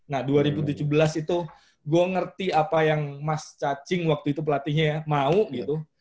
nah dua ribu tujuh belas itu gue ngerti apa yang mas cacing waktu itu pelatihnya ya mau gitu